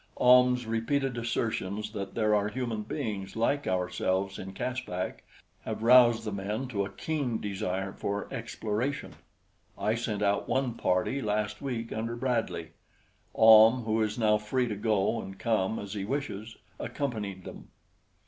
Ahm's repeated assertions that there are human beings like ourselves in Caspak have roused the men to a keen desire for exploration. I sent out one party last week under Bradley. Ahm, who is now free to go and come as he wishes, accompanied them.